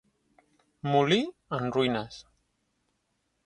Molí en ruïnes.